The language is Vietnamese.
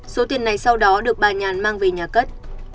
số tiền này sau đó được bà nhàn mang về nhà cất